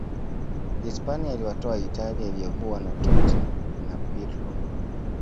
hispania iliwatoa italia iliyokuwa na totti na pirlo